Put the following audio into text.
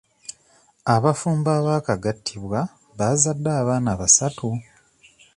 Abafumbo abaakagattibwa baazadde abaana basatu.